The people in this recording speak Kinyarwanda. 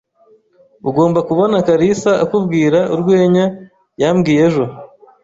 Ugomba kubona kalisa akubwira urwenya yambwiye ejo.